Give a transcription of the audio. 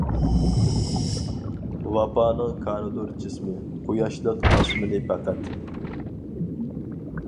ۋاپانىڭ كانىدۇر جىسمى، قۇياشلىق ئاسمىنى پەقەت.